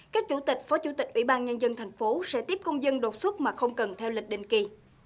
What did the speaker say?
các chủ tịch phó chủ tịch ủy ban nhân dân thành phố sẽ tiếp công dân đột xuất mà không cần theo lịch định kỳ